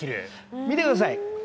見てください。